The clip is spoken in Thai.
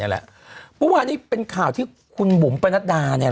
เมื่อวานี้เป็นข่าวที่คุณบุ๋มประณาตา